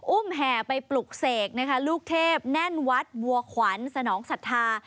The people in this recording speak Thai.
อุ้มแห่ไปปลุกเสกลูกเทพแน่นวัดบัวขวัญสนองศัตรูธา